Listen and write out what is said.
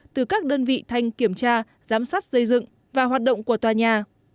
từ các đơn vị thanh kiểm tra giám sát xây dựng và hoạt động của tòa nhà